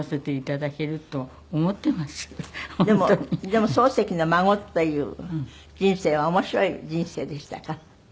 でも漱石の孫という人生は面白い人生でしたか？